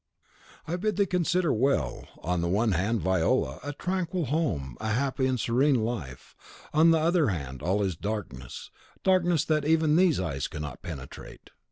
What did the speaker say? "I bid thee consider well: on the one hand, Viola, a tranquil home, a happy and serene life; on the other hand, all is darkness, darkness, that even these eyes cannot penetrate."